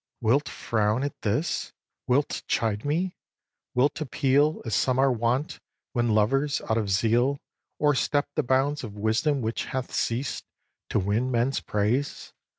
xii. Wilt frown at this? Wilt chide me? Wilt appeal, As some are wont, when lovers, out of zeal, O'erstep the bounds of wisdom which hath ceased To win men's praise?